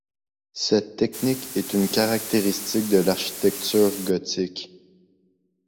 Cette technique est une caractéristique de l'architecture gothique.